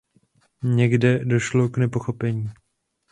Někde došlo k nepochopení.